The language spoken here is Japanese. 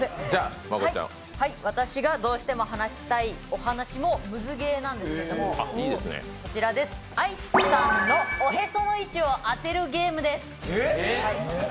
私がどうしても話したいお話もムズゲーなんですけど愛さんのおへその位置を当てるゲームです。